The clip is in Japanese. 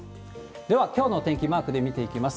ではきょうのお天気、マークで見ていきます。